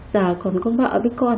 giờ còn có vợ với con